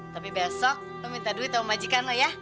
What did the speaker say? tapi besok lo minta duit sama majikan lo ya